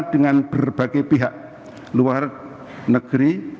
dengan berbagai pihak luar negeri